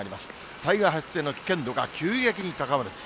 災害発生の危険度が急激に高まる。